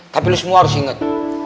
tapi lu semua harus inget